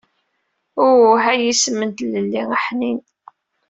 Uh, ay isem n tlelli aḥnin!